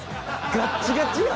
ガッチガチやん！